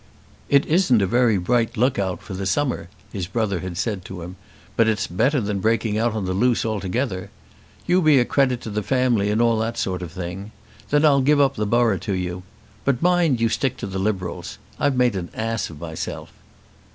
"It isn't a very bright look out for the summer," his brother had said to him, "but it's better than breaking out on the loose altogether. You be a credit to the family and all that sort of thing. Then I'll give up the borough to you. But mind you stick to the Liberals. I've made an ass of myself."